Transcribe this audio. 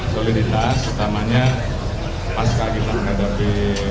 soliditas utamanya pasca kita menghadapi